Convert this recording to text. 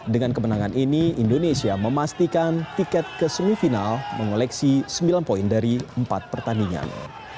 dengan kemenangan ini indonesia memastikan tiket ke semifinal mengoleksi sembilan poin dari empat pertandingan